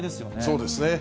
そうですね。